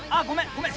ごめん！